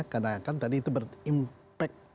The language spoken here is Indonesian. karena kan tadi itu berimpak